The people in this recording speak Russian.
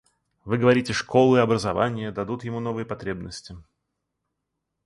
Вы говорите, школы, образование дадут ему новые потребности.